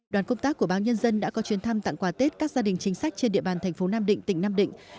đoàn công tác của báo nhân dân đã có chuyến thăm tặng quà tết các gia đình chính sách trên địa bàn thành phố nam định tỉnh nam định